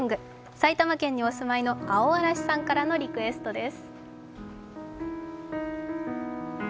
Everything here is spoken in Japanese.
埼玉県にお住まいの青嵐さんからのリクエストです。